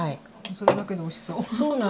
それだけでおいしそう。